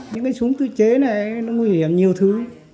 những cái súng tự chế này nó nguy hiểm nhiều thứ